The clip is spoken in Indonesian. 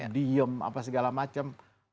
diam apa segala macam